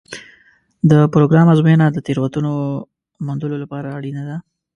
د پروګرام ازموینه د تېروتنو موندلو لپاره اړینه ده.